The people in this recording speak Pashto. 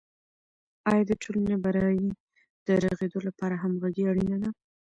آیا د ټولني برایې د رغیدو لپاره همغږي اړینه ده؟